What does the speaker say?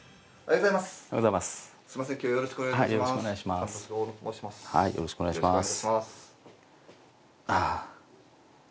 ◆よろしくお願いします。